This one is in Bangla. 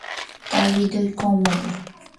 তার হৃদয় কোমল।